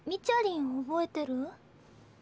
ちゃりん覚えてる？